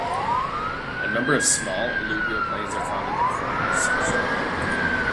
A number of small alluvial plains are found in the corridor section.